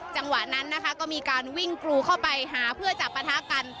จังหวะนั้นนะคะก็มีการวิ่งกรูเข้าไปหาเพื่อจับปะทะกัน